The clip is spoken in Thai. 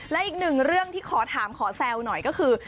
และอีกหนึ่งเรื่องที่ขอถามขอแซวหน่อยก็คือ